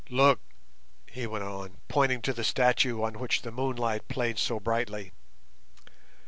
"Look!" he went on, pointing to the statue on which the moonlight played so brightly.